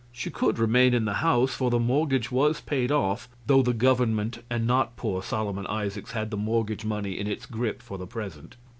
She could remain in the house, for the mortgage was paid off, though the government and not poor Solomon Isaacs had the mortgage money in its grip for the present.